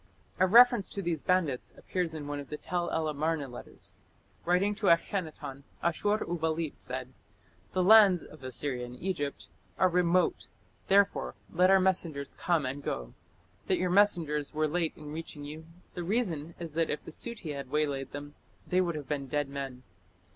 A reference to these bandits appears in one of the Tell el Amarna letters. Writing to Akhenaton, Ashur uballit said: "The lands (of Assyria and Egypt) are remote, therefore let our messengers come and go. That your messengers were late in reaching you, (the reason is that) if the Suti had waylaid them, they would have been dead men.